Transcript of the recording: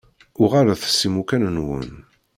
Uɣalet s imukan-nwen.